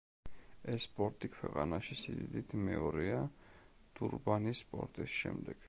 ეს პორტი ქვეყანაში სიდიდით მეორეა დურბანის პორტის შემდეგ.